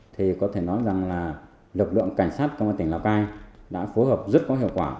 thì có thể nói rằng là lực lượng cảnh sát công an tỉnh lào cai đã phối hợp rất có hiệu quả